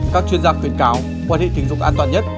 các chuyên gia khuyến cáo quan hệ tình dục an toàn nhất